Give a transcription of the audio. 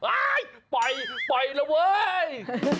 ปล่อยปล่อยแล้วเว้ย